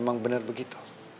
memang benar begitu